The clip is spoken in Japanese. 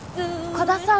鼓田さん。